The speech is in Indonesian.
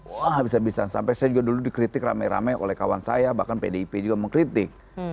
wah bisa bisa sampai saya juga dulu dikritik rame rame oleh kawan saya bahkan pdip juga mengkritik